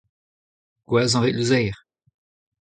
Gwerzhañ a rit louzeier ?